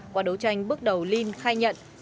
qua đấu tranh bước đầu linh khai nhận